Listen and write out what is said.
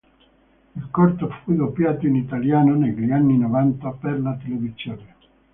Il corto fu doppiato in italiano negli anni novanta per la televisione.